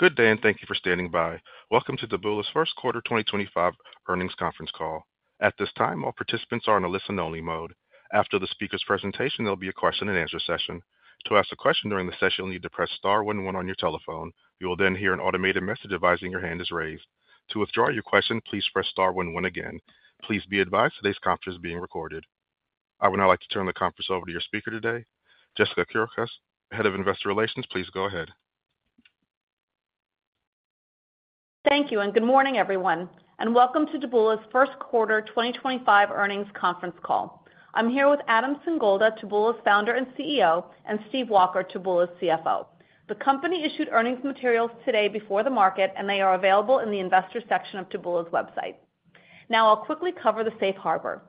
Good day, and thank you for standing by. Welcome to Taboola's first quarter 2025 earnings conference call. At this time, all participants are in a listen-only mode. After the speaker's presentation, there'll be a question-and-answer session. To ask a question during the session, you'll need to press star one one on your telephone. You will then hear an automated message advising your hand is raised. To withdraw your question, please press star one one again. Please be advised today's conference is being recorded. I would now like to turn the conference over to your speaker today, Jessica Kourakos, Head of Investor Relations. Please go ahead. Thank you, and good morning, everyone, and welcome to Taboola's first quarter 2025 earnings conference call. I'm here with Adam Singolda, Taboola's founder and CEO, and Steve Walker, Taboola's CFO. The company issued earnings materials today before the market, and they are available in the investor section of Taboola's website. Now, I'll quickly cover the safe harbor.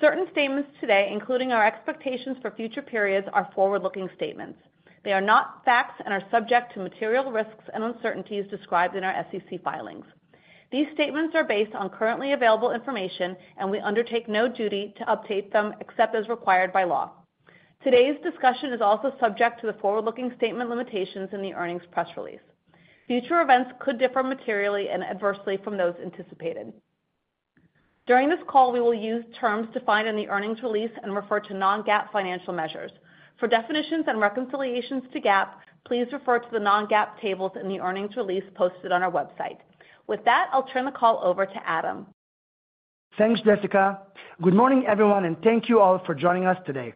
Certain statements today, including our expectations for future periods, are forward-looking statements. They are not facts and are subject to material risks and uncertainties described in our SEC filings. These statements are based on currently available information, and we undertake no duty to update them except as required by law. Today's discussion is also subject to the forward-looking statement limitations in the earnings press release. Future events could differ materially and adversely from those anticipated. During this call, we will use terms defined in the earnings release and refer to non-GAAP financial measures. For definitions and reconciliations to GAAP, please refer to the non-GAAP tables in the earnings release posted on our website. With that, I'll turn the call over to Adam. Thanks, Jessica. Good morning, everyone, and thank you all for joining us today.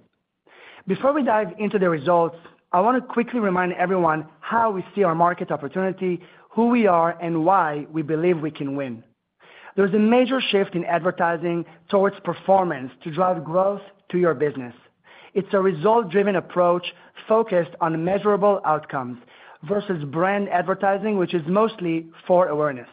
Before we dive into the results, I want to quickly remind everyone how we see our market opportunity, who we are, and why we believe we can win. There's a major shift in advertising towards performance to drive growth to your business. It's a result-driven approach focused on measurable outcomes versus brand advertising, which is mostly for awareness.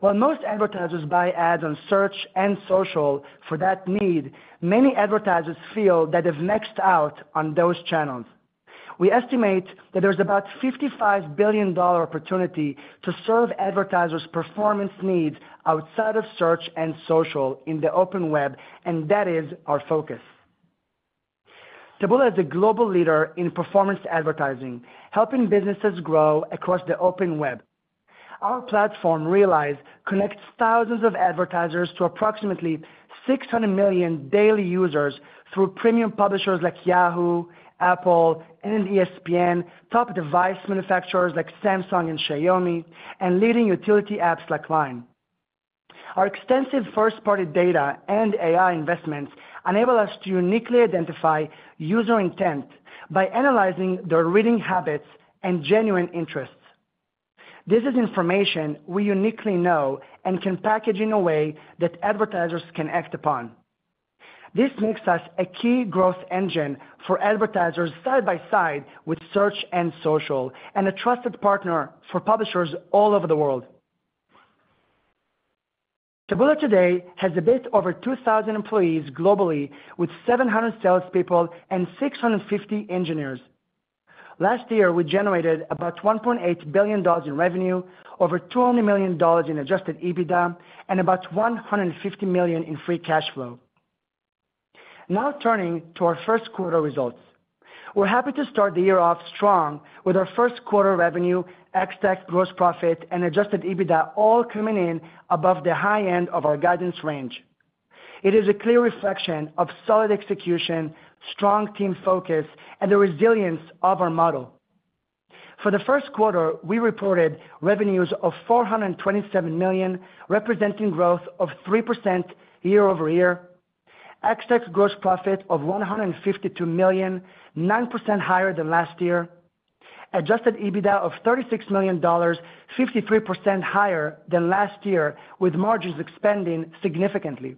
While most advertisers buy ads on search and social for that need, many advertisers feel that they've maxed out on those channels. We estimate that there's about a $55 billion opportunity to serve advertisers' performance needs outside of search and social in the open web, and that is our focus. Taboola is a global leader in performance advertising, helping businesses grow across the open web. Our platform, Realize, connects thousands of advertisers to approximately 600 million daily users through premium publishers like Yahoo, Apple, and ESPN, top device manufacturers like Samsung and Xiaomi, and leading utility apps like Vine. Our extensive first-party data and AI investments enable us to uniquely identify user intent by analyzing their reading habits and genuine interests. This is information we uniquely know and can package in a way that advertisers can act upon. This makes us a key growth engine for advertisers side by side with search and social, and a trusted partner for publishers all over the world. Taboola today has a bit over 2,000 employees globally, with 700 salespeople and 650 engineers. Last year, we generated about $1.8 billion in revenue, over $200 million in adjusted EBITDA, and about $150 million in free cash flow. Now turning to our first quarter results, we're happy to start the year off strong with our first quarter revenue, ex-tax gross profit, and adjusted EBITDA all coming in above the high end of our guidance range. It is a clear reflection of solid execution, strong team focus, and the resilience of our model. For the first quarter, we reported revenues of $427 million, representing growth of 3% year over year, ex-tax gross profit of $152 million, 9% higher than last year, adjusted EBITDA of $36 million, 53% higher than last year, with margins expanding significantly,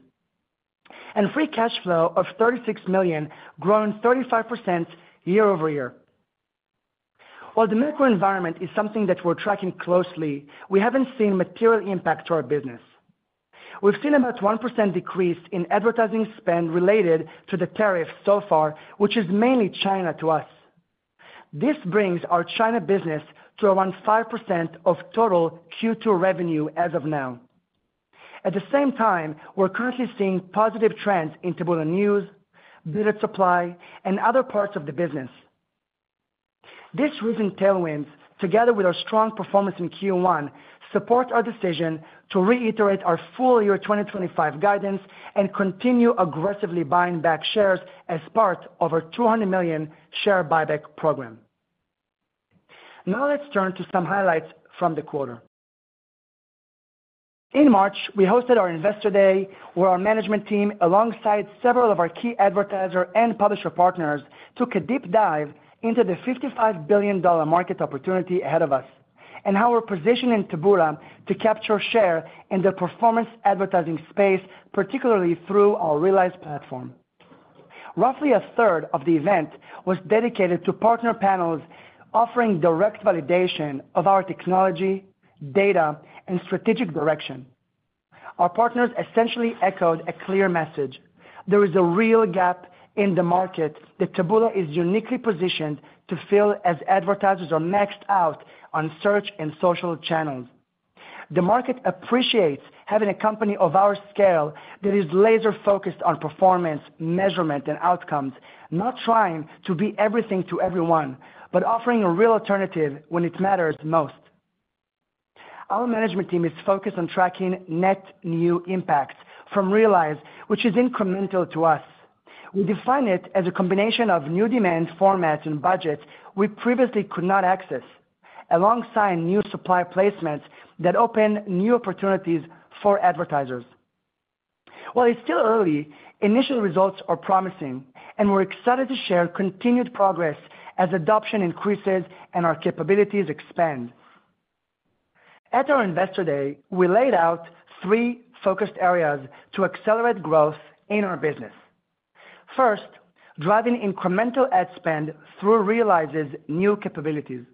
and free cash flow of $36 million, growing 35% year over year. While the macro environment is something that we're tracking closely, we haven't seen material impact to our business. We've seen about 1% decrease in advertising spend related to the tariffs so far, which is mainly China to us. This brings our China business to around 5% of total Q2 revenue as of now. At the same time, we're currently seeing positive trends in Taboola News, Bidded supply, and other parts of the business. These recent tailwinds, together with our strong performance in Q1, support our decision to reiterate our full year 2025 guidance and continue aggressively buying back shares as part of our $200 million share buyback program. Now let's turn to some highlights from the quarter. In March, we hosted our Investor Day, where our management team, alongside several of our key advertiser and publisher partners, took a deep dive into the $55 billion market opportunity ahead of us and how we're positioning Taboola to capture share in the performance advertising space, particularly through our Realize platform. Roughly a third of the event was dedicated to partner panels offering direct validation of our technology, data, and strategic direction. Our partners essentially echoed a clear message: there is a real gap in the market that Taboola is uniquely positioned to fill as advertisers are maxed out on search and social channels. The market appreciates having a company of our scale that is laser-focused on performance, measurement, and outcomes, not trying to be everything to everyone, but offering a real alternative when it matters most. Our management team is focused on tracking net new impacts from Realize, which is incremental to us. We define it as a combination of new demand formats and budgets we previously could not access, alongside new supply placements that open new opportunities for advertisers. While it's still early, initial results are promising, and we're excited to share continued progress as adoption increases and our capabilities expand. At our Investor Day, we laid out three focused areas to accelerate growth in our business. First, driving incremental ad spend through Realize's new capabilities.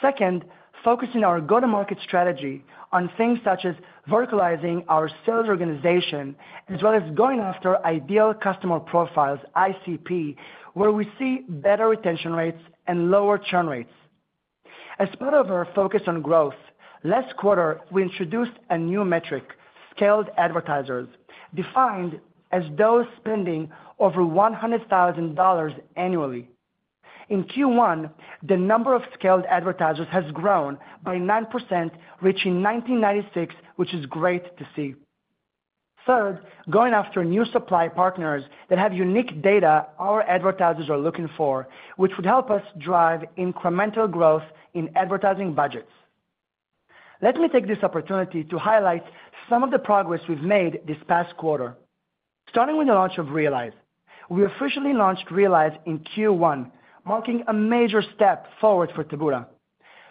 Second, focusing our go-to-market strategy on things such as verticalizing our sales organization, as well as going after ideal customer profiles, ICP, where we see better retention rates and lower churn rates. As part of our focus on growth, last quarter, we introduced a new metric, scaled advertisers, defined as those spending over $100,000 annually. In Q1, the number of scaled advertisers has grown by 9%, reaching 1,996, which is great to see. Third, going after new supply partners that have unique data our advertisers are looking for, which would help us drive incremental growth in advertising budgets. Let me take this opportunity to highlight some of the progress we've made this past quarter, starting with the launch of Realize. We officially launched Realize in Q1, marking a major step forward for Taboola.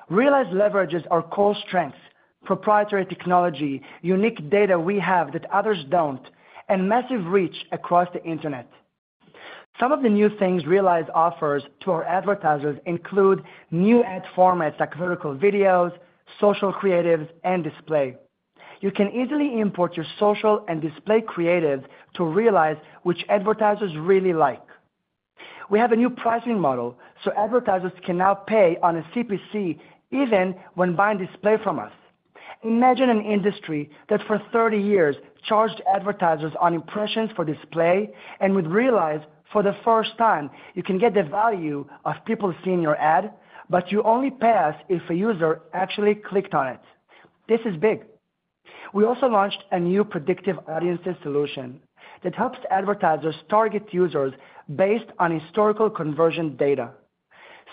Realize leverages our core strengths: proprietary technology, unique data we have that others don't, and massive reach across the internet. Some of the new things Realize offers to our advertisers include new ad formats like vertical videos, social creatives, and display. You can easily import your social and display creatives to Realize, which advertisers really like. We have a new pricing model, so advertisers can now pay on a CPC even when buying display from us. Imagine an industry that for 30 years charged advertisers on impressions for display, and with Realize, for the first time, you can get the value of people seeing your ad, but you only pass if a user actually clicked on it. This is big. We also launched a new predictive audiences solution that helps advertisers target users based on historical conversion data.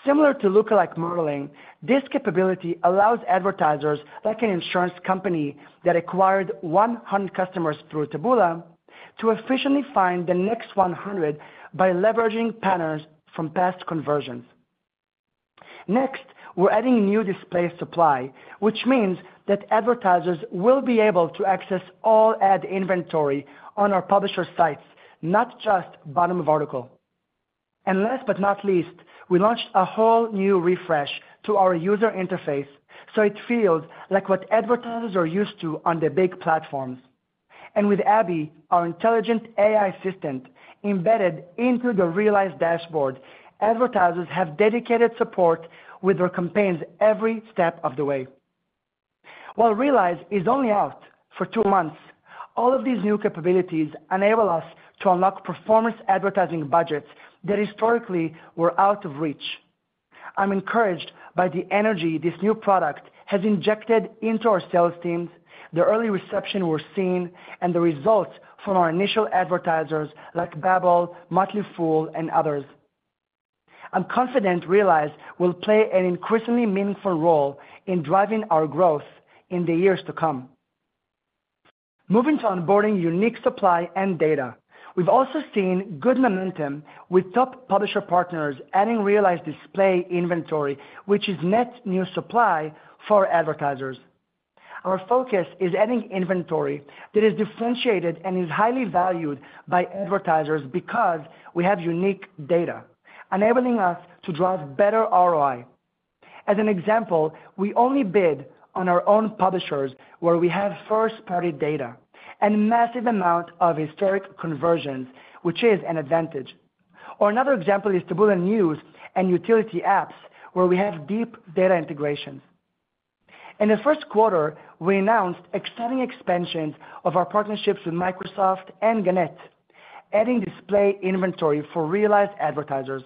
Similar to lookalike modeling, this capability allows advertisers like an insurance company that acquired 100 customers through Taboola to efficiently find the next 100 by leveraging patterns from past conversions. Next, we are adding new display supply, which means that advertisers will be able to access all ad inventory on our publisher sites, not just bottom of article. Last but not least, we launched a whole new refresh to our user interface, so it feels like what advertisers are used to on the big platforms. With Abby, our intelligent AI assistant embedded into the Realize dashboard, advertisers have dedicated support with their campaigns every step of the way. While Realize is only out for two months, all of these new capabilities enable us to unlock performance advertising budgets that historically were out of reach. I am encouraged by the energy this new product has injected into our sales teams, the early reception we are seeing, and the results from our initial advertisers like Babbel, Motley Fool, and others. I am confident Realize will play an increasingly meaningful role in driving our growth in the years to come. Moving to onboarding unique supply and data, we have also seen good momentum with top publisher partners adding Realize display inventory, which is net new supply for advertisers. Our focus is adding inventory that is differentiated and is highly valued by advertisers because we have unique data, enabling us to drive better ROI. As an example, we only bid on our own publishers where we have first-party data and massive amounts of historic conversions, which is an advantage. Or another example is Taboola News and utility apps, where we have deep data integrations. In the first quarter, we announced exciting expansions of our partnerships with Microsoft and Gannett, adding display inventory for Realize advertisers.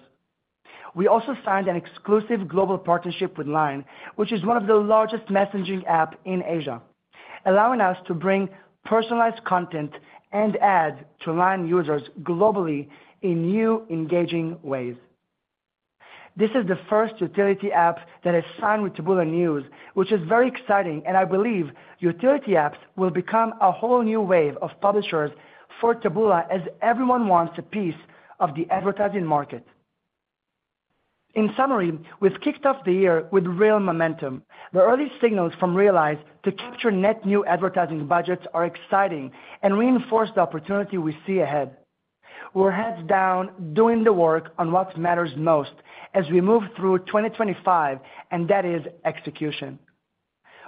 We also signed an exclusive global partnership with LINE, which is one of the largest messaging apps in Asia, allowing us to bring personalized content and ads to LINE users globally in new engaging ways. This is the first utility app that has signed with Taboola News, which is very exciting, and I believe utility apps will become a whole new wave of publishers for Taboola as everyone wants a piece of the advertising market. In summary, we've kicked off the year with real momentum. The early signals from Realize to capture net new advertising budgets are exciting and reinforce the opportunity we see ahead. We're heads down doing the work on what matters most as we move through 2025, and that is execution.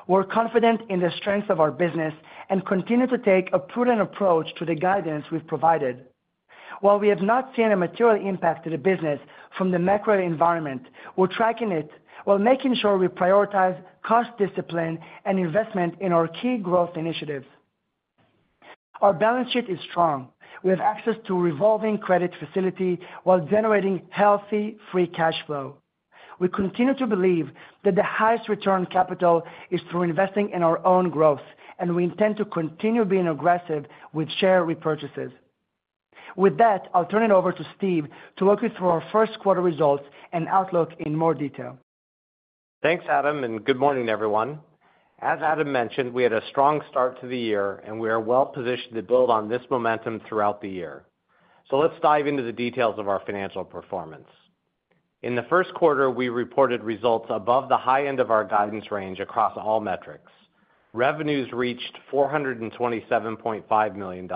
We're confident in the strength of our business and continue to take a prudent approach to the guidance we've provided. While we have not seen a material impact to the business from the macro environment, we're tracking it while making sure we prioritize cost discipline and investment in our key growth initiatives. Our balance sheet is strong. We have access to a revolving credit facility while generating healthy free cash flow. We continue to believe that the highest return capital is through investing in our own growth, and we intend to continue being aggressive with share repurchases. With that, I'll turn it over to Steve to walk you through our first quarter results and outlook in more detail. Thanks, Adam, and good morning, everyone. As Adam mentioned, we had a strong start to the year, and we are well positioned to build on this momentum throughout the year. Let's dive into the details of our financial performance. In the first quarter, we reported results above the high end of our guidance range across all metrics. Revenues reached $427.5 million,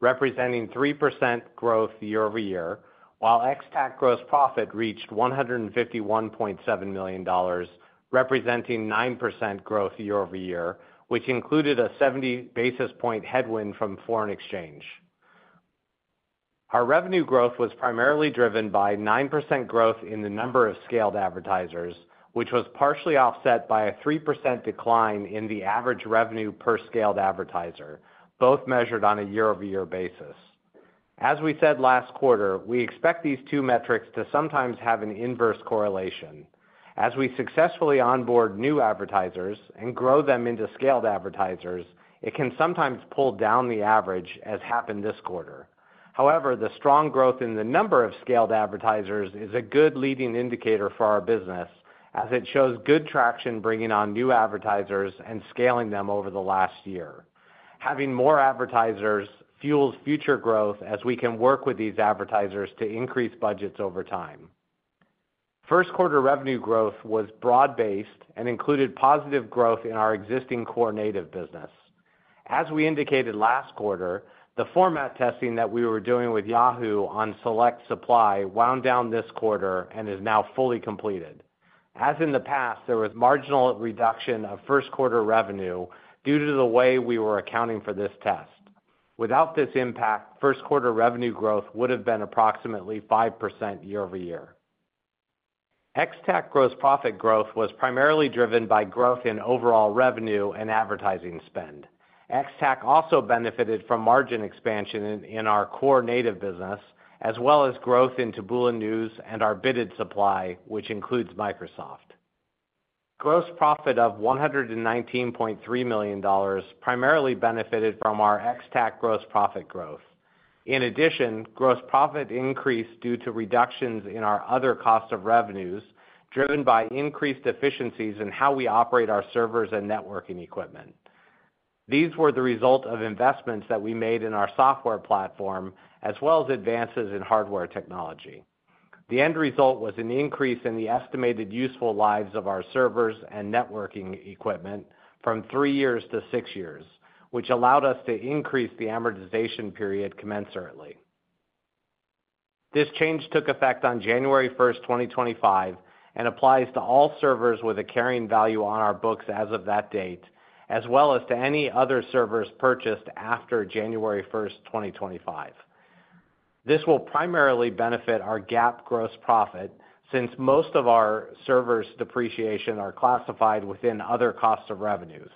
representing 3% growth year over year, while ex-tax gross profit reached $151.7 million, representing 9% growth year over year, which included a 70 basis point headwind from foreign exchange. Our revenue growth was primarily driven by 9% growth in the number of scaled advertisers, which was partially offset by a 3% decline in the average revenue per scaled advertiser, both measured on a year-over-year basis. As we said last quarter, we expect these two metrics to sometimes have an inverse correlation. As we successfully onboard new advertisers and grow them into scaled advertisers, it can sometimes pull down the average, as happened this quarter. However, the strong growth in the number of scaled advertisers is a good leading indicator for our business, as it shows good traction bringing on new advertisers and scaling them over the last year. Having more advertisers fuels future growth as we can work with these advertisers to increase budgets over time. First quarter revenue growth was broad-based and included positive growth in our existing core native business. As we indicated last quarter, the format testing that we were doing with Yahoo on select supply wound down this quarter and is now fully completed. As in the past, there was marginal reduction of first quarter revenue due to the way we were accounting for this test. Without this impact, first quarter revenue growth would have been approximately 5% year over year. Ex-tax gross profit growth was primarily driven by growth in overall revenue and advertising spend. Ex-tax also benefited from margin expansion in our core native business, as well as growth in Taboola News and our Bidded supply, which includes Microsoft. Gross profit of $119.3 million primarily benefited from our ex-tax gross profit growth. In addition, gross profit increased due to reductions in our other cost of revenues, driven by increased efficiencies in how we operate our servers and networking equipment. These were the result of investments that we made in our software platform, as well as advances in hardware technology. The end result was an increase in the estimated useful lives of our servers and networking equipment from three years to six years, which allowed us to increase the amortization period commensurately. This change took effect on January 1st, 2025, and applies to all servers with a carrying value on our books as of that date, as well as to any other servers purchased after January 1st, 2025. This will primarily benefit our GAAP gross profit since most of our servers' depreciation are classified within other costs of revenues.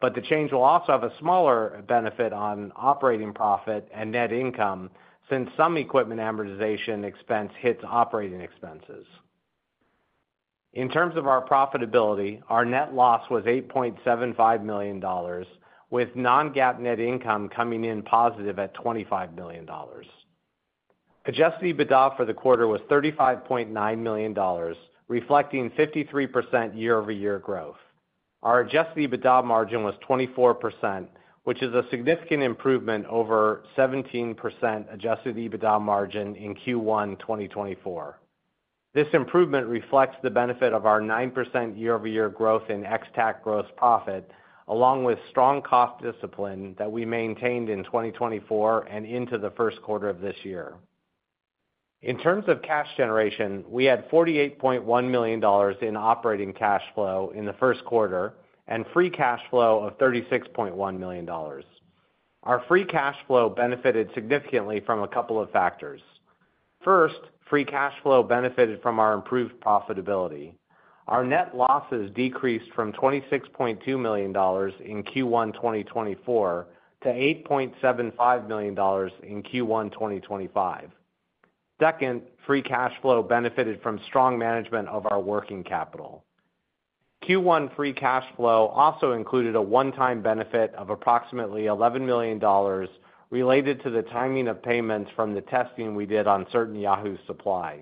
The change will also have a smaller benefit on operating profit and net income since some equipment amortization expense hits operating expenses. In terms of our profitability, our net loss was $8.75 million, with non-GAAP net income coming in positive at $25 million. Adjusted EBITDA for the quarter was $35.9 million, reflecting 53% year-over-year growth. Our adjusted EBITDA margin was 24%, which is a significant improvement over the 17% adjusted EBITDA margin in Q1 2024. This improvement reflects the benefit of our 9% year-over-year growth in ex-tax gross profit, along with strong cost discipline that we maintained in 2024 and into the first quarter of this year. In terms of cash generation, we had $48.1 million in operating cash flow in the first quarter and free cash flow of $36.1 million. Our free cash flow benefited significantly from a couple of factors. First, free cash flow benefited from our improved profitability. Our net losses decreased from $26.2 million in Q1, 2024 to $8.75 million in Q1, 2025. Second, free cash flow benefited from strong management of our working capital. Q1 free cash flow also included a one-time benefit of approximately $11 million related to the timing of payments from the testing we did on certain Yahoo supply.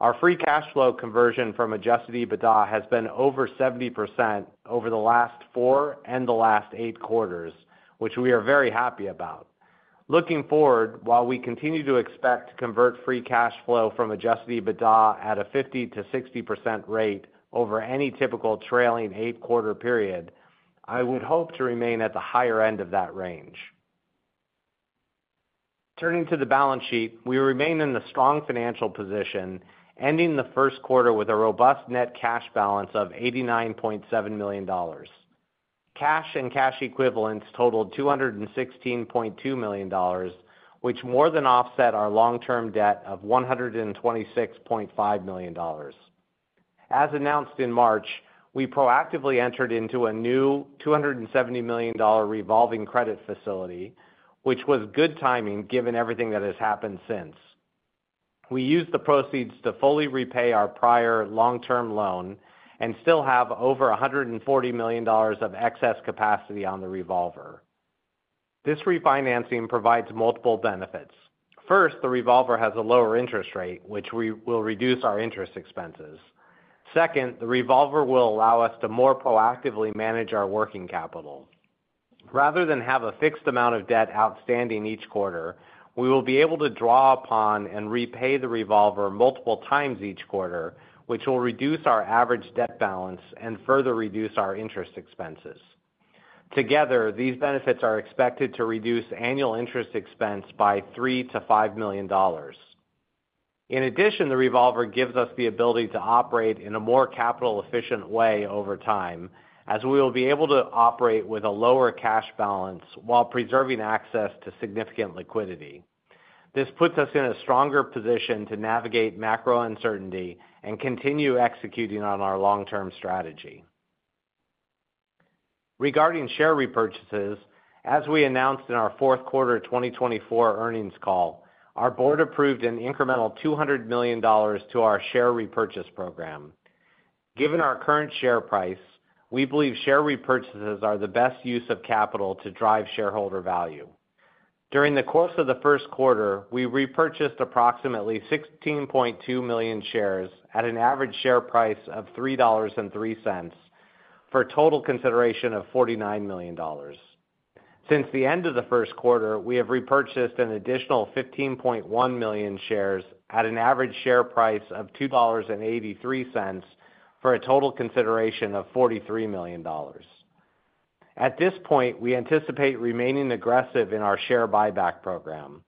Our free cash flow conversion from adjusted EBITDA has been over 70% over the last four and the last eight quarters, which we are very happy about. Looking forward, while we continue to expect to convert free cash flow from adjusted EBITDA at a 50%-60% rate over any typical trailing eight-quarter period, I would hope to remain at the higher end of that range. Turning to the balance sheet, we remain in the strong financial position, ending the first quarter with a robust net cash balance of $89.7 million. Cash and cash equivalents totaled $216.2 million, which more than offset our long-term debt of $126.5 million. As announced in March, we proactively entered into a new $270 million revolving credit facility, which was good timing given everything that has happened since. We used the proceeds to fully repay our prior long-term loan and still have over $140 million of excess capacity on the revolver. This refinancing provides multiple benefits. First, the revolver has a lower interest rate, which will reduce our interest expenses. Second, the revolver will allow us to more proactively manage our working capital. Rather than have a fixed amount of debt outstanding each quarter, we will be able to draw upon and repay the revolver multiple times each quarter, which will reduce our average debt balance and further reduce our interest expenses. Together, these benefits are expected to reduce annual interest expense by $3-$5 million. In addition, the revolver gives us the ability to operate in a more capital-efficient way over time, as we will be able to operate with a lower cash balance while preserving access to significant liquidity. This puts us in a stronger position to navigate macro uncertainty and continue executing on our long-term strategy. Regarding share repurchases, as we announced in our fourth quarter 2024 earnings call, our board approved an incremental $200 million to our share repurchase program. Given our current share price, we believe share repurchases are the best use of capital to drive shareholder value. During the course of the first quarter, we repurchased approximately 16.2 million shares at an average share price of $3.03 for a total consideration of $49 million. Since the end of the first quarter, we have repurchased an additional 15.1 million shares at an average share price of $2.83 for a total consideration of $43 million. At this point, we anticipate remaining aggressive in our share buyback program.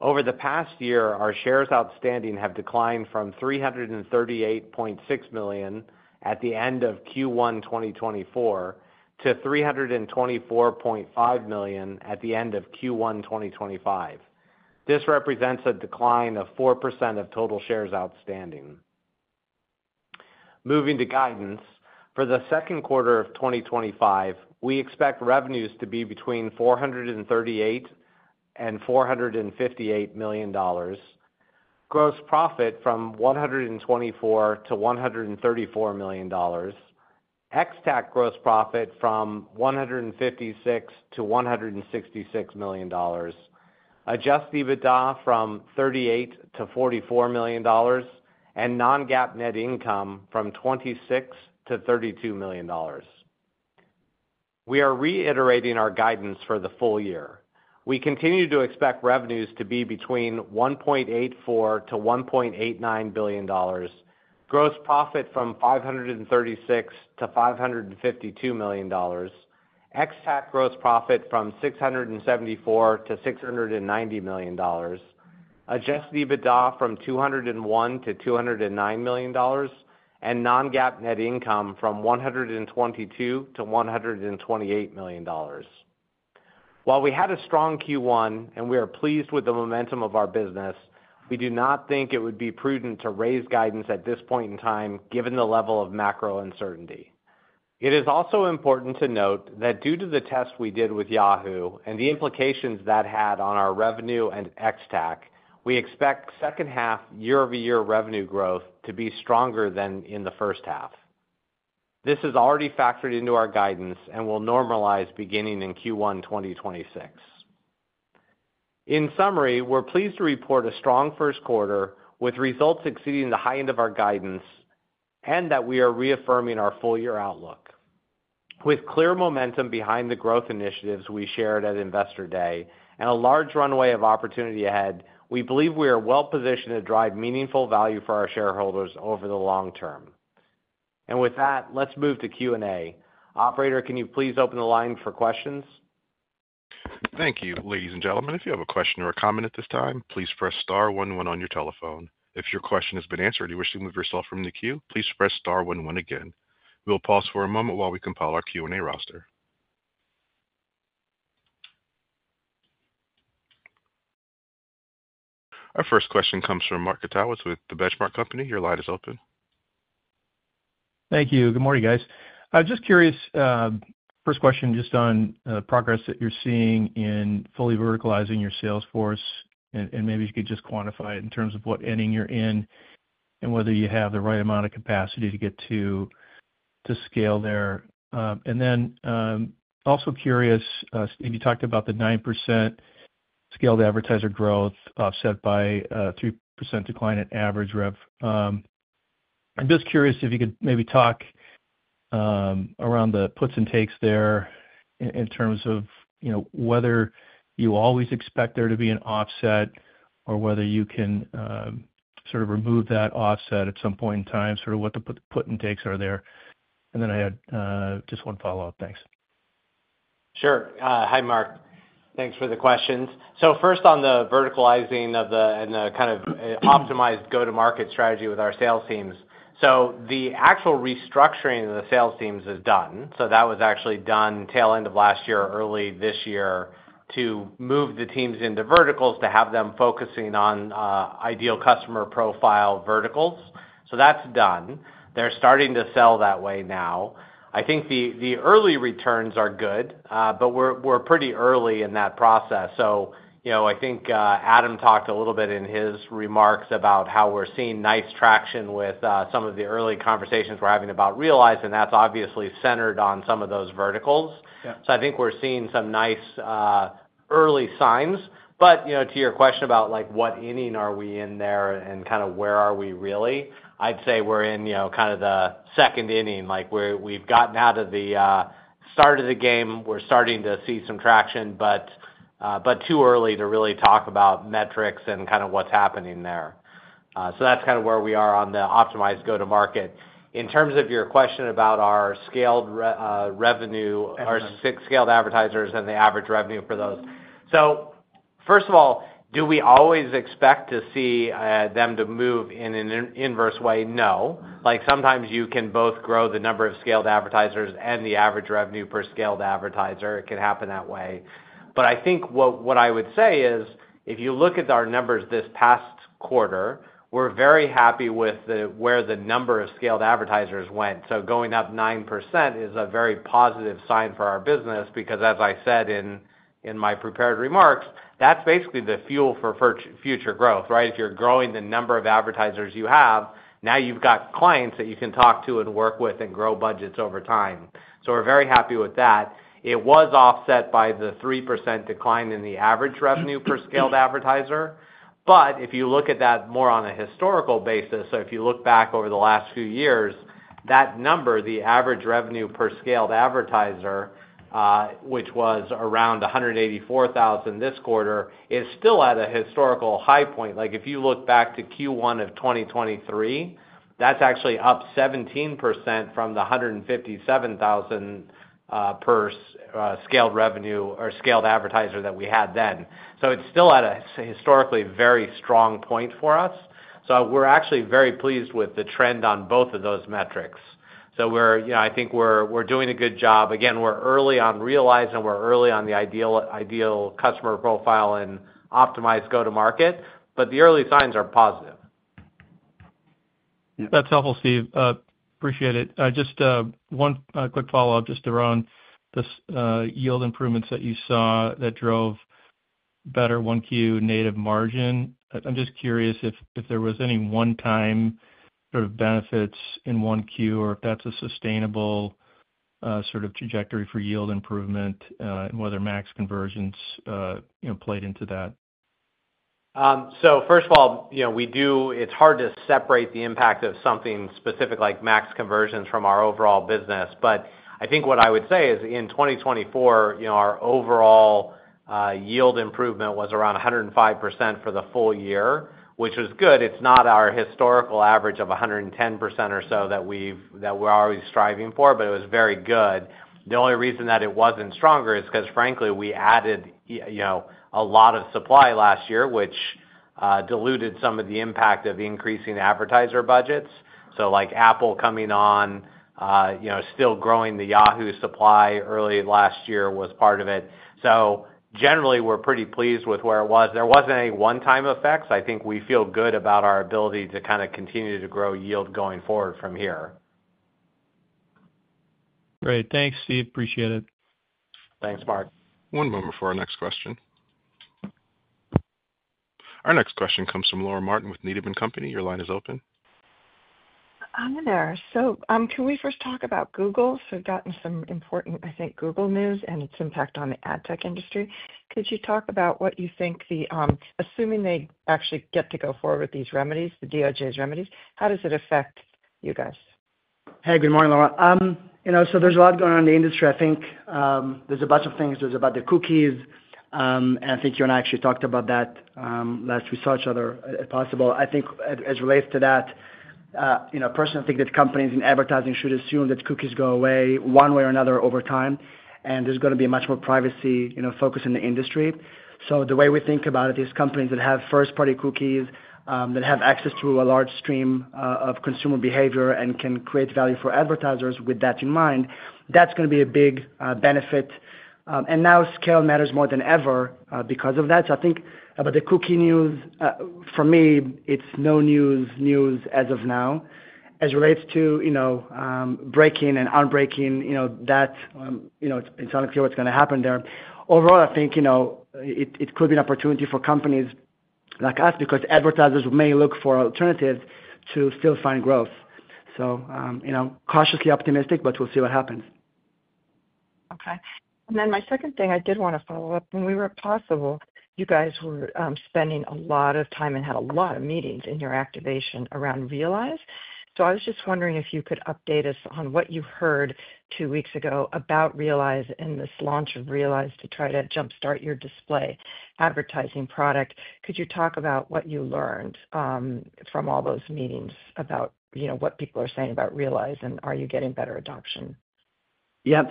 Over the past year, our shares outstanding have declined from 338.6 million at the end of Q1, 2024 to 324.5 million at the end of Q1, 2025. This represents a decline of 4% of total shares outstanding. Moving to guidance, for the second quarter of 2025, we expect revenues to be between $438-$458 million, gross profit from $124-$134 million, ex-tax gross profit from $156-$166 million, adjusted EBITDA from $38-$44 million, and non-GAAP net income from $26-$32 million. We are reiterating our guidance for the full year. We continue to expect revenues to be between $1.84-$1.89 billion, gross profit from $536-$552 million, ex-tax gross profit from $674-$690 million, adjusted EBITDA from $201-$209 million, and non-GAAP net income from $122-$128 million. While we had a strong Q1 and we are pleased with the momentum of our business, we do not think it would be prudent to raise guidance at this point in time given the level of macro uncertainty. It is also important to note that due to the test we did with Yahoo and the implications that had on our revenue and ex-tax, we expect second half year-over-year revenue growth to be stronger than in the first half. This is already factored into our guidance and will normalize beginning in Q1, 2026. In summary, we're pleased to report a strong first quarter with results exceeding the high end of our guidance and that we are reaffirming our full-year outlook. With clear momentum behind the growth initiatives we shared at Investor Day and a large runway of opportunity ahead, we believe we are well positioned to drive meaningful value for our shareholders over the long term. With that, let's move to Q&A. Operator, can you please open the line for questions? Thank you. Ladies and gentlemen, if you have a question or a comment at this time, please press star one one on your telephone. If your question has been answered and you wish to move yourself from the queue, please press star one one again. We'll pause for a moment while we compile our Q&A roster. Our first question comes from Mark Zgutowicz with the Benchmark Company. Your line is open. Thank you. Good morning, guys. I'm just curious, first question, just on progress that you're seeing in fully verticalizing your Salesforce, and maybe you could just quantify it in terms of what ending you're in and whether you have the right amount of capacity to get to scale there. Also curious, Steve, you talked about the 9% scaled advertiser growth offset by a 3% decline in average rev. I'm just curious if you could maybe talk around the puts and takes there in terms of whether you always expect there to be an offset or whether you can sort of remove that offset at some point in time, sort of what the puts and takes are there. I had just one follow-up. Thanks. Sure. Hi, Mark. Thanks for the questions. First, on the verticalizing and the kind of optimized go-to-market strategy with our sales teams. The actual restructuring of the sales teams is done. That was actually done tail end of last year, early this year to move the teams into verticals to have them focusing on ideal customer profile verticals. That's done. They're starting to sell that way now. I think the early returns are good, but we're pretty early in that process. I think Adam talked a little bit in his remarks about how we're seeing nice traction with some of the early conversations we're having about Realize, and that's obviously centered on some of those verticals. I think we're seeing some nice early signs. To your question about what inning are we in there and kind of where are we really, I'd say we're in kind of the second inning. We've gotten out of the start of the game. We're starting to see some traction, but too early to really talk about metrics and kind of what's happening there. That's kind of where we are on the optimized go-to-market. In terms of your question about our scaled revenue, our six scaled advertisers and the average revenue for those. First of all, do we always expect to see them to move in an inverse way? No. Sometimes you can both grow the number of scaled advertisers and the average revenue per scaled advertiser. It can happen that way. I think what I would say is, if you look at our numbers this past quarter, we're very happy with where the number of scaled advertisers went. Going up 9% is a very positive sign for our business because, as I said in my prepared remarks, that's basically the fuel for future growth, right? If you're growing the number of advertisers you have, now you've got clients that you can talk to and work with and grow budgets over time. We're very happy with that. It was offset by the 3% decline in the average revenue per scaled advertiser. If you look at that more on a historical basis, if you look back over the last few years, that number, the average revenue per scaled advertiser, which was around $184,000 this quarter, is still at a historical high point. If you look back to Q1 of 2023, that's actually up 17% from the $157,000 per scaled advertiser that we had then. It is still at a historically very strong point for us. We are actually very pleased with the trend on both of those metrics. I think we are doing a good job. Again, we are early on Realize, we are early on the ideal customer profile and optimized go-to-market, but the early signs are positive. That's helpful, Steve. Appreciate it. Just one quick follow-up, just around the yield improvements that you saw that drove better Q1 native margin. I'm just curious if there was any one-time sort of benefits in one-queue or if that's a sustainable sort of trajectory for yield improvement and whether max conversions played into that. First of all, it's hard to separate the impact of something specific like max conversions from our overall business. I think what I would say is in 2024, our overall yield improvement was around 105% for the full year, which was good. It's not our historical average of 110% or so that we're always striving for, but it was very good. The only reason that it wasn't stronger is because, frankly, we added a lot of supply last year, which diluted some of the impact of increasing advertiser budgets. Apple coming on, still growing the Yahoo supply early last year was part of it. Generally, we're pretty pleased with where it was. There wasn't any one-time effects. I think we feel good about our ability to kind of continue to grow yield going forward from here. Great. Thanks, Steve. Appreciate it. Thanks, Mark. One moment for our next question. Our next question comes from Laura Martin with Needham Company. Your line is open. Hi there. Can we first talk about Google? We've gotten some important, I think, Google news and its impact on the ad tech industry. Could you talk about what you think the, assuming they actually get to go forward with these remedies, the DOJ's remedies, how does it affect you guys? Hey, good morning, Laura. There's a lot going on in the industry. I think there's a bunch of things. There's about the cookies, and I think you and I actually talked about that last we saw each other, if possible. I think as it relates to that, personally, I think that companies in advertising should assume that cookies go away one way or another over time, and there is going to be a much more privacy focus in the industry. The way we think about it is companies that have first-party cookies that have access through a large stream of consumer behavior and can create value for advertisers with that in mind, that is going to be a big benefit. Now scale matters more than ever because of that. I think about the cookie news, for me, it is no news news as of now. As it relates to breaking and unbreaking, it is unclear what is going to happen there. Overall, I think it could be an opportunity for companies like us because advertisers may look for alternatives to still find growth. Cautiously optimistic, but we will see what happens. Okay. And then my second thing I did want to follow up. When we were at Possible, you guys were spending a lot of time and had a lot of meetings in your activation around Realize. I was just wondering if you could update us on what you heard two weeks ago about Realize and this launch of Realize to try to jump-start your display advertising product. Could you talk about what you learned from all those meetings about what people are saying about Realize and are you getting better adoption? Yeah.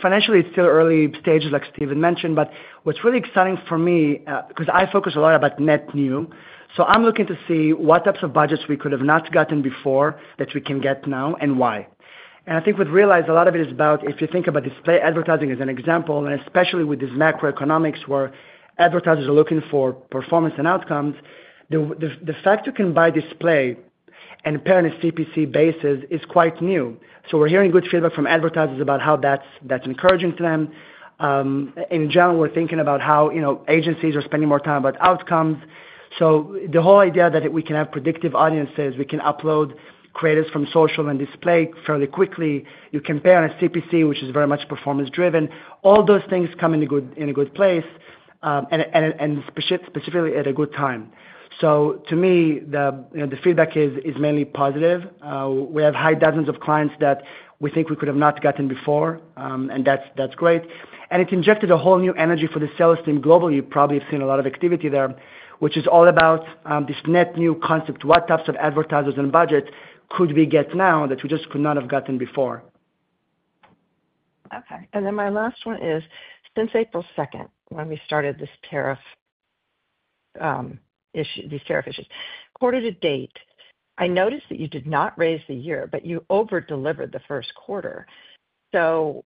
Financially, it's still early stages, like Steven mentioned, but what's really exciting for me because I focus a lot about net new. I'm looking to see what types of budgets we could have not gotten before that we can get now and why. I think with Realize, a lot of it is about if you think about display advertising as an example, and especially with this macroeconomics where advertisers are looking for performance and outcomes, the fact you can buy display and pay on a CPC basis is quite new. We're hearing good feedback from advertisers about how that's encouraging to them. In general, we're thinking about how agencies are spending more time about outcomes. The whole idea that we can have predictive audiences, we can upload creators from social and display fairly quickly. You can pay on a CPC, which is very much performance-driven. All those things come in a good place and specifically at a good time. To me, the feedback is mainly positive. We have high dozens of clients that we think we could have not gotten before, and that's great. It injected a whole new energy for the sales team globally. You probably have seen a lot of activity there, which is all about this net new concept, what types of advertisers and budgets could we get now that we just could not have gotten before. Okay. My last one is, since April 2nd, when we started this tariff issue, these tariff issues, quarter to date, I noticed that you did not raise the year, but you overdelivered the first quarter. Are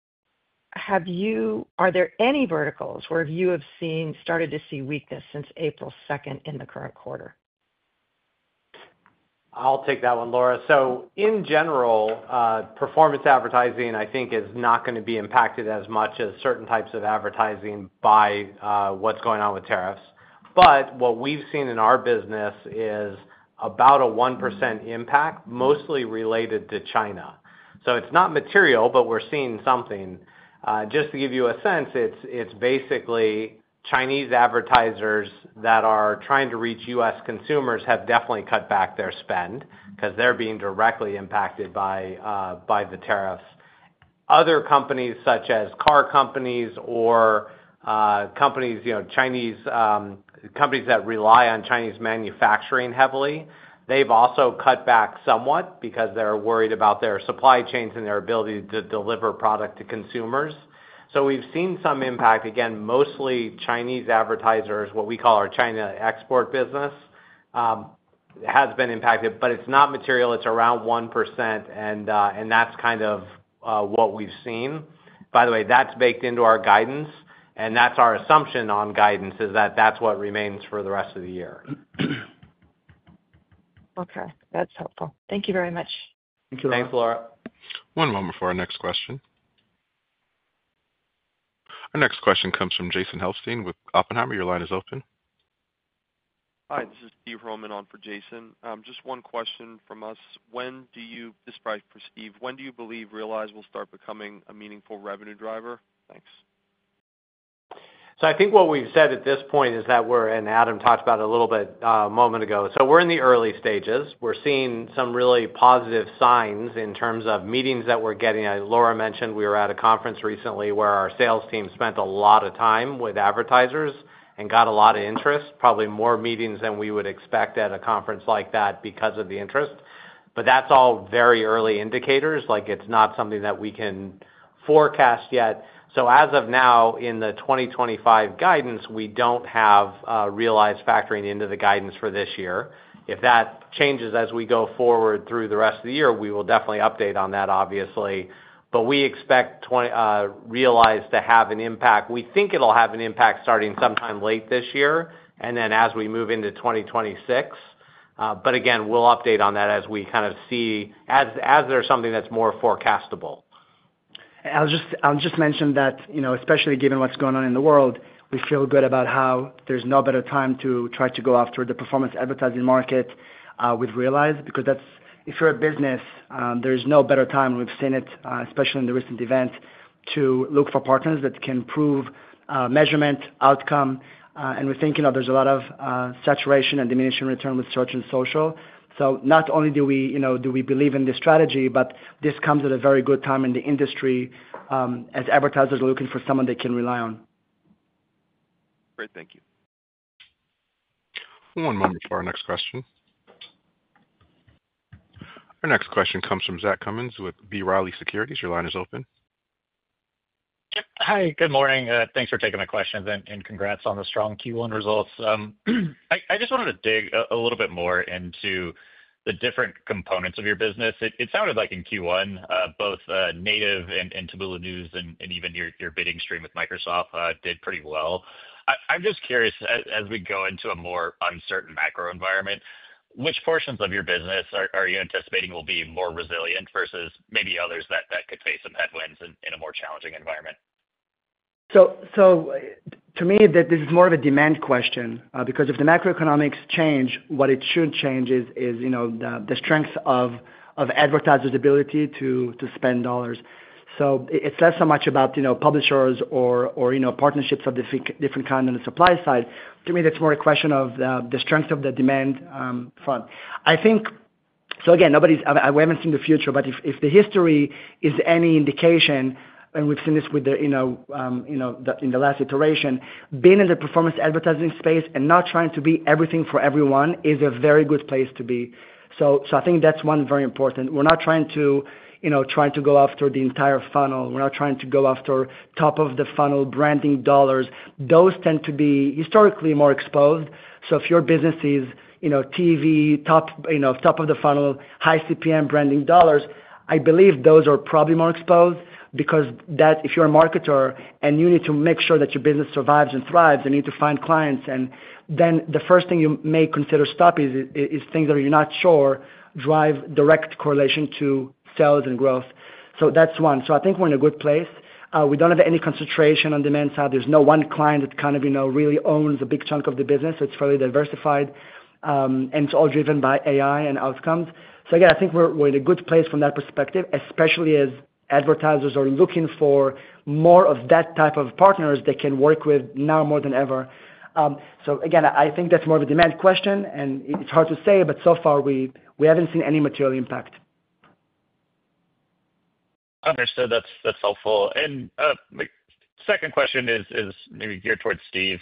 there any verticals where you have started to see weakness since April 2nd in the current quarter? I'll take that one, Laura. In general, performance advertising, I think, is not going to be impacted as much as certain types of advertising by what's going on with tariffs. What we've seen in our business is about a 1% impact, mostly related to China. It's not material, but we're seeing something. Just to give you a sense, it's basically Chinese advertisers that are trying to reach U.S. consumers have definitely cut back their spend because they're being directly impacted by the tariffs. Other companies, such as car companies or Chinese companies that rely on Chinese manufacturing heavily, they've also cut back somewhat because they're worried about their supply chains and their ability to deliver product to consumers. We've seen some impact. Again, mostly Chinese advertisers, what we call our China export business, has been impacted, but it's not material. It's around 1%, and that's kind of what we've seen. By the way, that's baked into our guidance, and that's our assumption on guidance is that that's what remains for the rest of the year. Okay. That's helpful. Thank you very much. Thank you, Laura. Thanks, Laura. One moment for our next question. Our next question comes from Jason Helfstein with Oppenheimer. Your line is open. Hi, this is Steve Holman on for Jason. Just one question from us. This is probably for Steve. When do you believe Realize will start becoming a meaningful revenue driver? Thanks. I think what we've said at this point is that we're in, Adam talked about a little bit a moment ago. We're in the early stages. We're seeing some really positive signs in terms of meetings that we're getting. Laura mentioned we were at a conference recently where our sales team spent a lot of time with advertisers and got a lot of interest, probably more meetings than we would expect at a conference like that because of the interest. That's all very early indicators. It's not something that we can forecast yet. As of now, in the 2025 guidance, we do not have Realize factoring into the guidance for this year. If that changes as we go forward through the rest of the year, we will definitely update on that, obviously. We expect Realize to have an impact. We think it will have an impact starting sometime late this year and then as we move into 2026. Again, we will update on that as we kind of see as there is something that is more forecastable. I will just mention that, especially given what is going on in the world, we feel good about how there is no better time to try to go after the performance advertising market with Realize because if you are a business, there is no better time. We have seen it, especially in the recent events, to look for partners that can prove measurement outcome. We're thinking there's a lot of saturation and diminishing return with search and social. Not only do we believe in this strategy, but this comes at a very good time in the industry as advertisers are looking for someone they can rely on. Great. Thank you. One moment for our next question. Our next question comes from Zach Cummins with B. Riley Securities. Your line is open. Hi. Good morning. Thanks for taking my questions and congrats on the strong Q1 results. I just wanted to dig a little bit more into the different components of your business. It sounded like in Q1, both native and Taboola News and even your bidding stream with Microsoft did pretty well. I'm just curious, as we go into a more uncertain macro environment, which portions of your business are you anticipating will be more resilient versus maybe others that could face some headwinds in a more challenging environment? To me, this is more of a demand question because if the macroeconomics change, what it should change is the strength of advertisers' ability to spend dollars. It's less so much about publishers or partnerships of the different kind on the supply side. To me, that's more a question of the strength of the demand front. Again, we haven't seen the future, but if the history is any indication, and we've seen this in the last iteration, being in the performance advertising space and not trying to be everything for everyone is a very good place to be. I think that's one very important. We're not trying to go after the entire funnel. We're not trying to go after top of the funnel branding dollars. Those tend to be historically more exposed. If your business is TV, top of the funnel, high CPM branding dollars, I believe those are probably more exposed because if you're a marketer and you need to make sure that your business survives and thrives, you need to find clients. The first thing you may consider stopping is things that you're not sure drive direct correlation to sales and growth. That's one. I think we're in a good place. We don't have any concentration on demand side. There's no one client that kind of really owns a big chunk of the business. It's fairly diversified, and it's all driven by AI and outcomes. I think we're in a good place from that perspective, especially as advertisers are looking for more of that type of partners they can work with now more than ever. I think that's more of a demand question, and it's hard to say, but so far, we haven't seen any material impact. Understood. That's helpful. Second question is maybe geared towards Steve.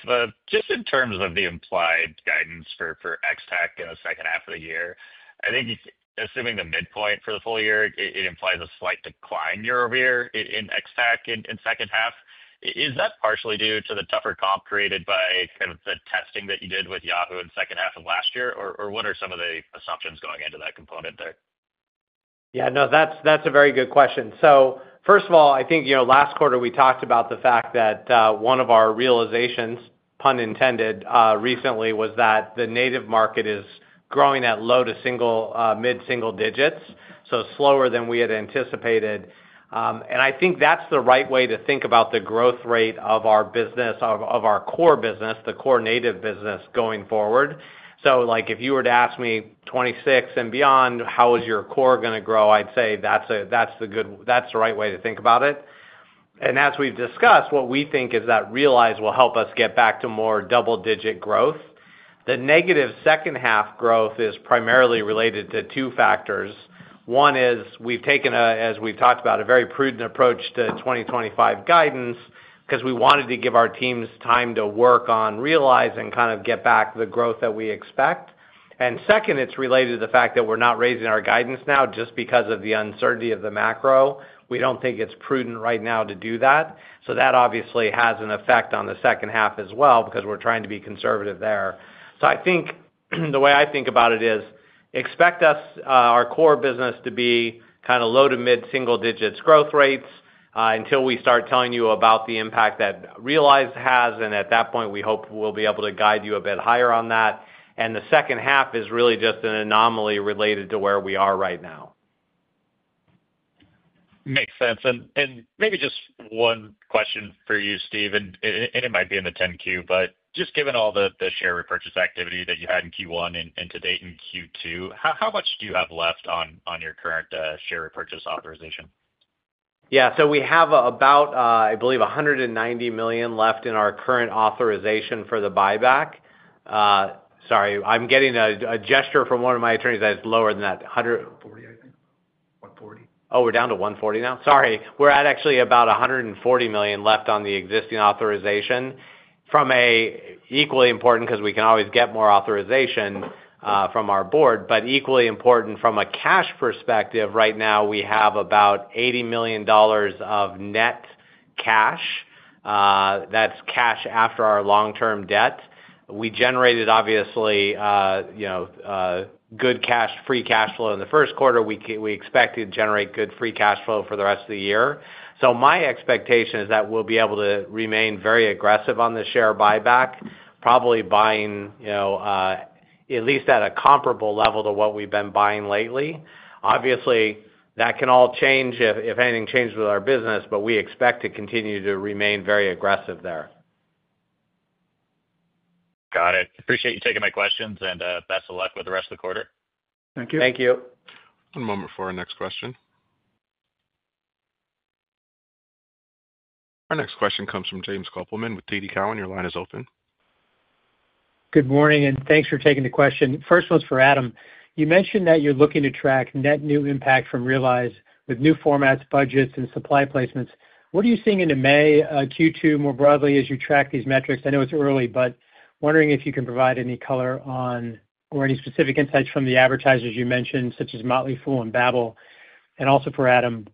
Just in terms of the implied guidance for ex-TAC in the second half of the year, I think assuming the midpoint for the full year, it implies a slight decline year over year in ex-TAC in second half. Is that partially due to the tougher comp created by kind of the testing that you did with Yahoo in the second half of last year, or what are some of the assumptions going into that component there? Yeah. No, that's a very good question. First of all, I think last quarter, we talked about the fact that one of our realizations, pun intended, recently was that the native market is growing at low to mid-single digits, so slower than we had anticipated. I think that's the right way to think about the growth rate of our business, of our core business, the core native business going forward. If you were to ask me 2026 and beyond, how is your core going to grow, I'd say that's the right way to think about it. As we've discussed, what we think is that Realize will help us get back to more double-digit growth. The negative second-half growth is primarily related to two factors. One is we've taken, as we've talked about, a very prudent approach to 2025 guidance because we wanted to give our teams time to work on Realize and kind of get back the growth that we expect. Second, it's related to the fact that we're not raising our guidance now just because of the uncertainty of the macro. We don't think it's prudent right now to do that. That obviously has an effect on the second half as well because we're trying to be conservative there. I think the way I think about it is expect our core business to be kind of low to mid-single digits growth rates until we start telling you about the impact that Realize has. At that point, we hope we'll be able to guide you a bit higher on that. The second half is really just an anomaly related to where we are right now. Makes sense. Maybe just one question for you, Steve, and it might be in the 10Q, but just given all the share repurchase activity that you had in Q1 and to date in Q2, how much do you have left on your current share repurchase authorization? Yeah. We have about, I believe, $190 million left in our current authorization for the buyback. Sorry. I'm getting a gesture from one of my attorneys that it's lower than that. $140 million, I think. $140 million. Oh, we're down to $140 million now? Sorry. We're at actually about $140 million left on the existing authorization. Equally important, because we can always get more authorization from our board, but equally important from a cash perspective, right now, we have about $80 million of net cash. That's cash after our long-term debt. We generated, obviously, good free cash flow in the first quarter. We expect to generate good free cash flow for the rest of the year. My expectation is that we'll be able to remain very aggressive on the share buyback, probably buying at least at a comparable level to what we've been buying lately. Obviously, that can all change if anything changes with our business, but we expect to continue to remain very aggressive there. Got it. Appreciate you taking my questions, and best of luck with the rest of the quarter. Thank you. Thank you. One moment for our next question. Our next question comes from James Kopelman with TD Cowen. Your line is open. Good morning, and thanks for taking the question. First one's for Adam. You mentioned that you're looking to track net new impact from Realize with new formats, budgets, and supply placements. What are you seeing into May, Q2, more broadly as you track these metrics? I know it's early, but wondering if you can provide any color on or any specific insights from the advertisers you mentioned, such as Motley Fool and Babbel, and also for Adam.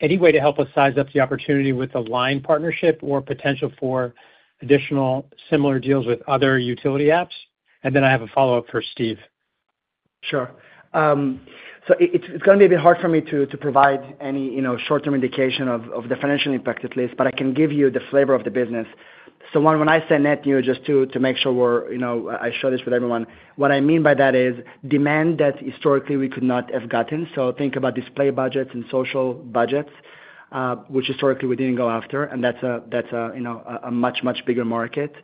Any way to help us size up the opportunity with a LINE partnership or potential for additional similar deals with other utility apps? I have a follow-up for Steve. Sure. It's going to be a bit hard for me to provide any short-term indication of the financial impact, at least, but I can give you the flavor of the business. When I say net new, just to make sure I show this with everyone, what I mean by that is demand that historically we could not have gotten. Think about display budgets and social budgets, which historically we did not go after, and that is a much, much bigger market.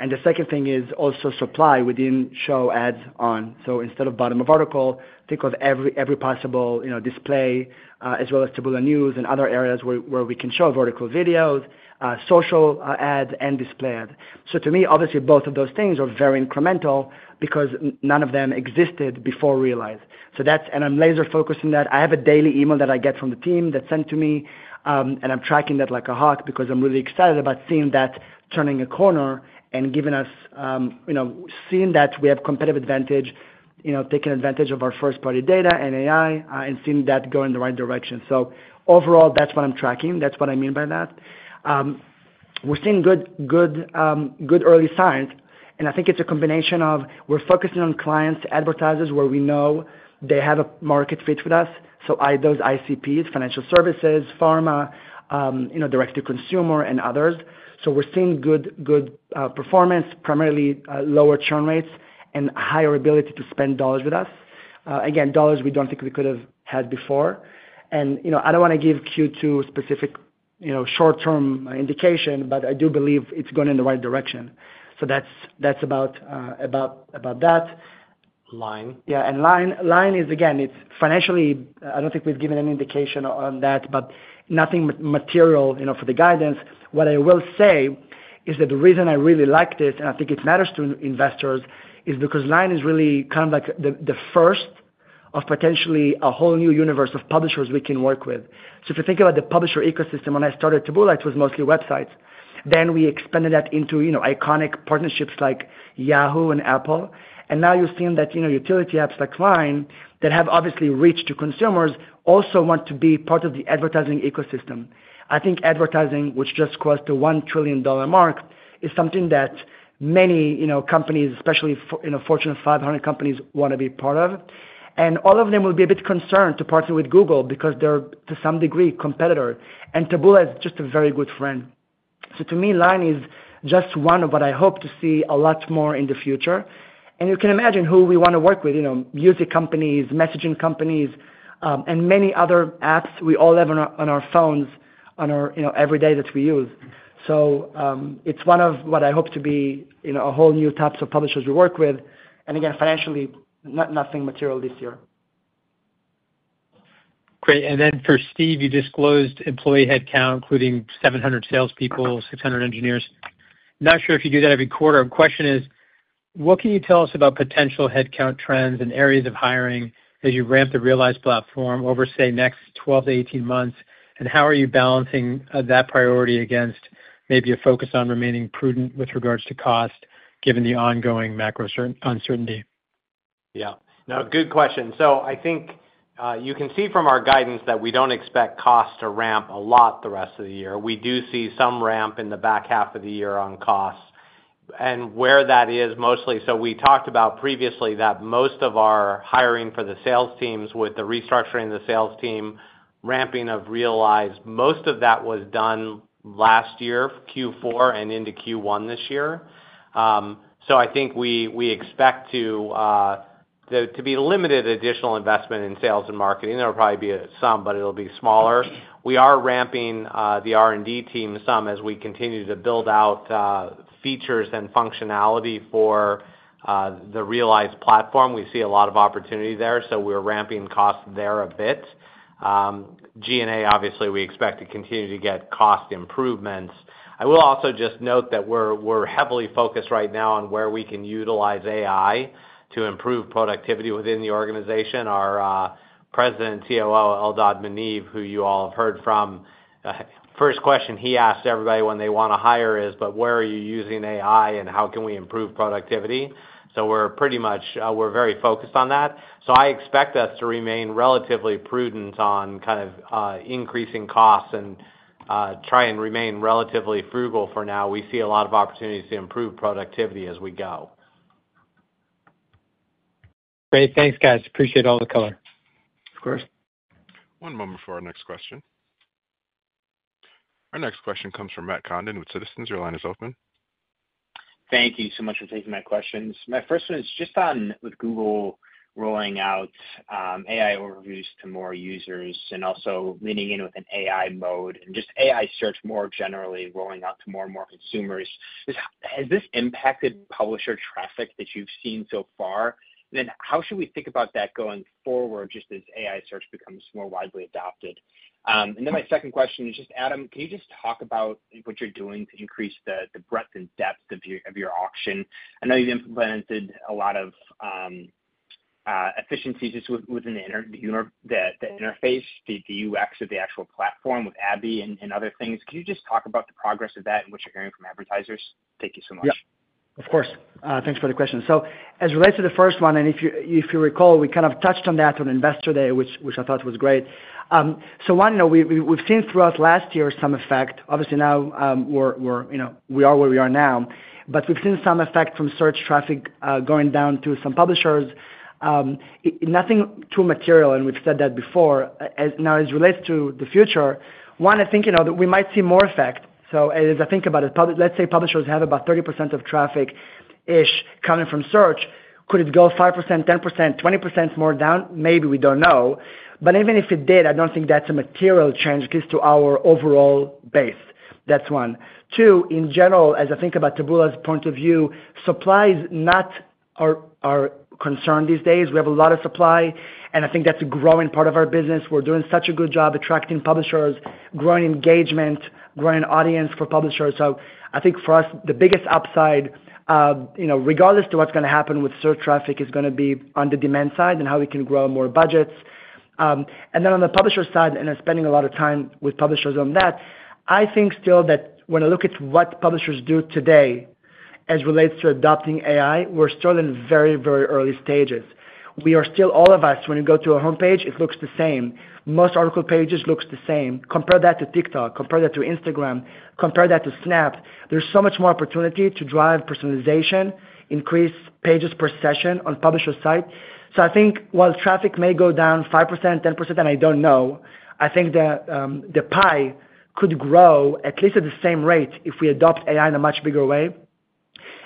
The second thing is also supply we did not show ads on. Instead of bottom of article, think of every possible display as well as Taboola News and other areas where we can show vertical videos, social ads, and display ads. To me, obviously, both of those things are very incremental because none of them existed before Realize. I am laser-focused on that. I have a daily email that I get from the team that's sent to me, and I'm tracking that like a hawk because I'm really excited about seeing that turning a corner and giving us seeing that we have competitive advantage, taking advantage of our first-party data and AI, and seeing that go in the right direction. Overall, that's what I'm tracking. That's what I mean by that. We're seeing good early signs. I think it's a combination of we're focusing on clients, advertisers where we know they have a market fit with us, so those ICPs, financial services, pharma, direct-to-consumer, and others. We're seeing good performance, primarily lower churn rates and higher ability to spend dollars with us. Again, dollars we don't think we could have had before. I do not want to give Q2 specific short-term indication, but I do believe it is going in the right direction. That is about that. Line? Yeah. LINE is, again, financially, I do not think we have given any indication on that, but nothing material for the guidance. What I will say is that the reason I really like this, and I think it matters to investors, is because Line is really kind of like the first of potentially a whole new universe of publishers we can work with. If you think about the publisher ecosystem when I started Taboola, it was mostly websites. We expanded that into iconic partnerships like Yahoo and Apple. Now you are seeing that utility apps like LINE that have obviously reached to consumers also want to be part of the advertising ecosystem. I think advertising, which just crossed the $1 trillion mark, is something that many companies, especially Fortune 500 companies, want to be part of. All of them will be a bit concerned to partner with Google because they're, to some degree, competitor. Taboola is just a very good friend. To me, Line is just one of what I hope to see a lot more in the future. You can imagine who we want to work with: music companies, messaging companies, and many other apps we all have on our phones every day that we use. It is one of what I hope to be a whole new types of publishers we work with. Again, financially, nothing material this year. Great. For Steve, you disclosed employee headcount, including 700 salespeople, 600 engineers. Not sure if you do that every quarter. Question is, what can you tell us about potential headcount trends and areas of hiring as you ramp the Realize platform over, say, next 12 to 18 months? And how are you balancing that priority against maybe a focus on remaining prudent with regards to cost, given the ongoing macro uncertainty? Yeah. No, good question. I think you can see from our guidance that we do not expect cost to ramp a lot the rest of the year. We do see some ramp in the back half of the year on costs. Where that is mostly, we talked about previously that most of our hiring for the sales teams with the restructuring of the sales team, ramping of Realize, most of that was done last year, Q4, and into Q1 this year. I think we expect to be limited additional investment in sales and marketing. There will probably be some, but it'll be smaller. We are ramping the R&D team some as we continue to build out features and functionality for the Realize platform. We see a lot of opportunity there, so we're ramping cost there a bit. G&A, obviously, we expect to continue to get cost improvements. I will also just note that we're heavily focused right now on where we can utilize AI to improve productivity within the organization. Our President and COO, Eldad Maniv, who you all have heard from, first question he asks everybody when they want to hire is, "But where are you using AI, and how can we improve productivity?" We're pretty much very focused on that. I expect us to remain relatively prudent on kind of increasing costs and try and remain relatively frugal for now. We see a lot of opportunities to improve productivity as we go. Great. Thanks, guys. Appreciate all the color. Of course. One moment for our next question. Our next question comes from Matt Condon with Citizens. Your line is open. Thank you so much for taking my questions. My first one is just on with Google rolling out AI overviews to more users and also leaning in with an AI mode and just AI search more generally rolling out to more and more consumers. Has this impacted publisher traffic that you've seen so far? How should we think about that going forward just as AI search becomes more widely adopted? My second question is just, Adam, can you just talk about what you're doing to increase the breadth and depth of your auction? I know you've implemented a lot of efficiencies just within the interface, the UX of the actual platform with Abby and other things. Can you just talk about the progress of that and what you're hearing from advertisers? Thank you so much. Yeah. Of course. Thanks for the question. As it relates to the first one, and if you recall, we kind of touched on that on investor day, which I thought was great. One, we've seen throughout last year some effect. Obviously, now we are where we are now, but we've seen some effect from search traffic going down to some publishers. Nothing too material, and we've said that before. As it relates to the future, one, I think we might see more effect. As I think about it, let's say publishers have about 30% of traffic-ish coming from search. Could it go 5%, 10%, 20% more down? Maybe we don't know. Even if it did, I don't think that's a material change at least to our overall base. That's one. Two, in general, as I think about Taboola's point of view, supply is not our concern these days. We have a lot of supply, and I think that's a growing part of our business. We're doing such a good job attracting publishers, growing engagement, growing audience for publishers. I think for us, the biggest upside, regardless of what's going to happen with search traffic, is going to be on the demand side and how we can grow more budgets. On the publisher side, and I'm spending a lot of time with publishers on that, I think still that when I look at what publishers do today as it relates to adopting AI, we're still in very, very early stages. We are still, all of us, when you go to a homepage, it looks the same. Most article pages look the same. Compare that to TikTok. Compare that to Instagram. Compare that to Snap. There's so much more opportunity to drive personalization, increase pages per session on publisher site. I think while traffic may go down 5%, 10%, and I don't know, I think the pie could grow at least at the same rate if we adopt AI in a much bigger way.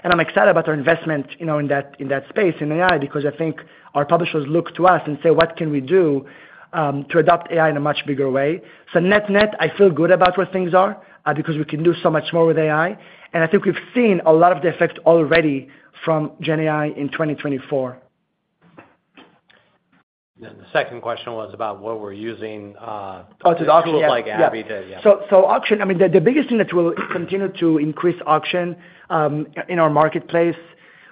I'm excited about our investment in that space in AI because I think our publishers look to us and say, "What can we do to adopt AI in a much bigger way?" Net net, I feel good about where things are because we can do so much more with AI. I think we've seen a lot of the effect already from GenAI in 2024. The second question was about what we're using. Oh, to the auctions. It's like Abby did. Yeah. Auction, I mean, the biggest thing that will continue to increase auction in our marketplace,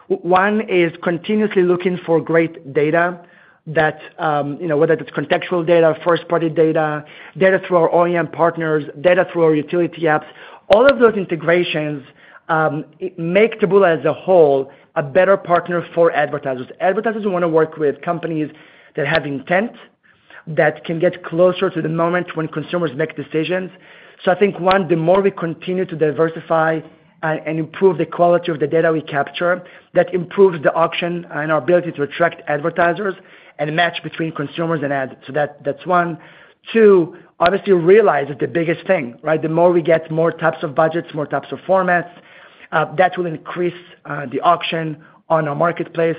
one is continuously looking for great data, whether that's contextual data, first-party data, data through our OEM partners, data through our utility apps. All of those integrations make Taboola as a whole a better partner for advertisers. Advertisers want to work with companies that have intent, that can get closer to the moment when consumers make decisions. I think, one, the more we continue to diversify and improve the quality of the data we capture, that improves the auction and our ability to attract advertisers and match between consumers and ads. That's one. Two, obviously, Realize is the biggest thing, right? The more we get more types of budgets, more types of formats, that will increase the auction on our marketplace.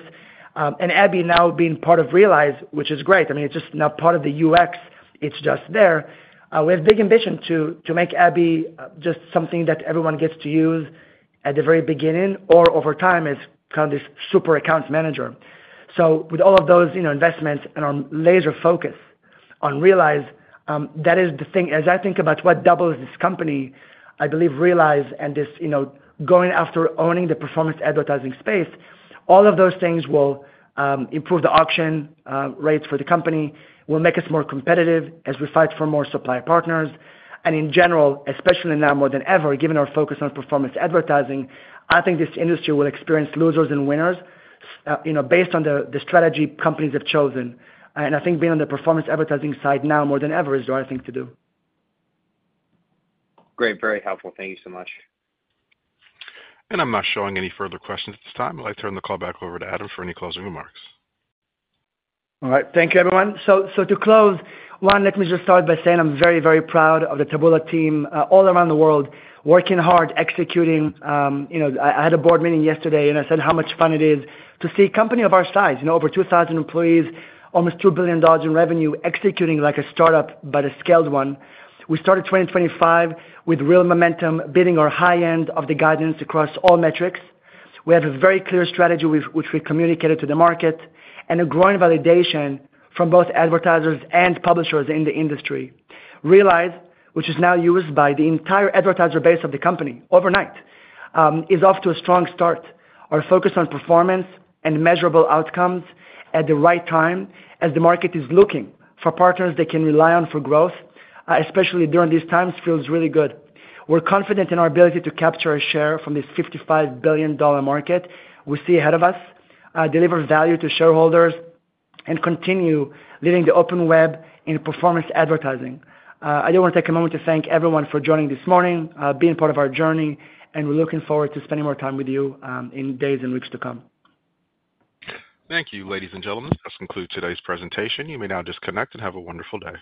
And Abby now being part of Realize, which is great. I mean, it's just now part of the UX. It's just there. We have a big ambition to make Abby just something that everyone gets to use at the very beginning or over time as kind of this super accounts manager. With all of those investments and our laser focus on Realize, that is the thing. As I think about what doubles this company, I believe Realize and this going after owning the performance advertising space, all of those things will improve the auction rates for the company, will make us more competitive as we fight for more supply partners. In general, especially now more than ever, given our focus on performance advertising, I think this industry will experience losers and winners based on the strategy companies have chosen. I think being on the performance advertising side now more than ever is the right thing to do. Great. Very helpful. Thank you so much. I'm not showing any further questions at this time. I'd like to turn the call back over to Adam for any closing remarks. All right. Thank you, everyone. To close, one, let me just start by saying I'm very, very proud of the Taboola team all around the world working hard, executing. I had a board meeting yesterday, and I said how much fun it is to see a company of our size, over 2,000 employees, almost $2 billion in revenue, executing like a startup but a scaled one. We started 2025 with real momentum, beating our high end of the guidance across all metrics. We have a very clear strategy, which we communicated to the market, and a growing validation from both advertisers and publishers in the industry. Realize, which is now used by the entire advertiser base of the company overnight, is off to a strong start. Our focus on performance and measurable outcomes at the right time as the market is looking for partners they can rely on for growth, especially during these times, feels really good. We're confident in our ability to capture our share from this $55 billion market we see ahead of us, deliver value to shareholders, and continue leading the open web in performance advertising. I do want to take a moment to thank everyone for joining this morning, being part of our journey, and we're looking forward to spending more time with you in days and weeks to come. Thank you, ladies and gentlemen. That concludes today's presentation. You may now disconnect and have a wonderful day.